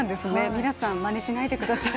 皆さん、まねしないでください。